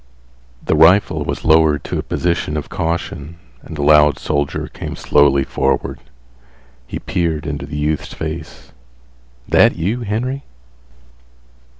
The rifle was lowered to a position of caution and the loud soldier came slowly forward. He peered into the youth's face. "That you, Henry?"